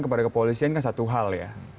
kepada kepolisian kan satu hal ya